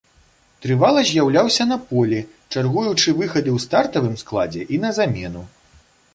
Трывала з'яўляўся на полі, чаргуючы выхады ў стартавым складзе і на замену.